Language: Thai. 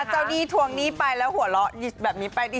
ถ้าเจ้าหญิงตวงคนี้ไปหัวเวลานี้ไป